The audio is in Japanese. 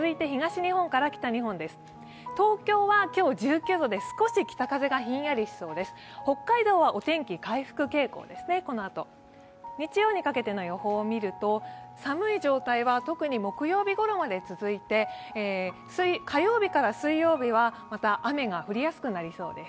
日曜にかけての予報を見ると、寒い状態は特に木曜日頃まで続いて、火曜日から水曜日は、また雨が降りやすくなりそうです。